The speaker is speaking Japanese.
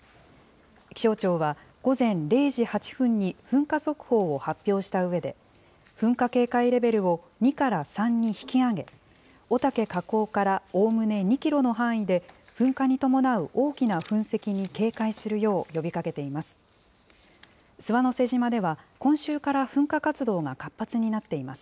気象庁は午前０時８分に噴火速報を発表したうえで、噴火警戒レベルを２から３に引き上げ、御岳火口からおおむね２キロの範囲で、噴火に伴う大きな噴石に警戒するよう呼びかけています。